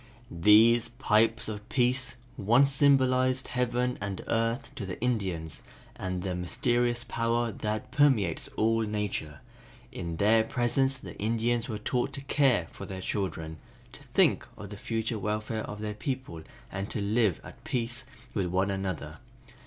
"These pipes of peace once symbolized heaven and earth to the Indians and the mysterious power that permeates all nature. In their presence the Indians were taught to care for their children, to think of the future welfare of their people and to live at peace with one another.